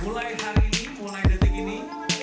mulai hari ini mulai detik ini